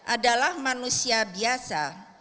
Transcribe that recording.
adalah manusia biasa